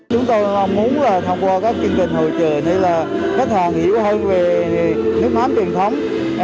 chúng tôi muốn là tham quan các chương trình hội truyền hay là khách hàng hiểu hơn về nước mắm truyền thống